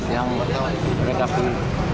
yang mereka pilih